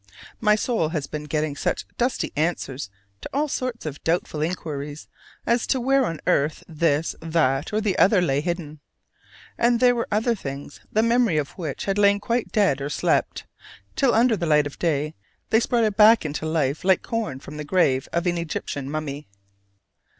My soul has been getting such dusty answers to all sorts of doubtful inquiries as to where on earth this, that, and the other lay hidden. And there were other things, the memory of which had lain quite dead or slept, till under the light of day they sprouted hack into life like corn from the grave of an Egyptian mummy.